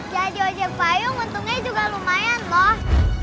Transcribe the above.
jadi ojek payung untungnya juga lumayan loh